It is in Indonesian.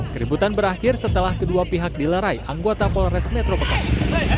keributan berakhir setelah kedua pihak dilerai anggota polres metro bekasi